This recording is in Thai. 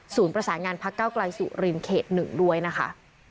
ประสานงานพักเก้าไกลสุรินเขต๑ด้วยนะคะ